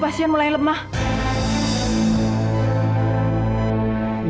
aida kamu harus bangun